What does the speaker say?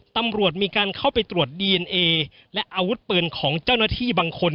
ตำรวจมีการเข้าไปตรวจดีเอนเอและอาวุธปืนของเจ้าหน้าที่บางคน